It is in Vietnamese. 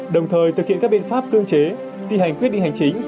đồng thời thực hiện các biện pháp cưỡng chế thi hành quyết định hành chính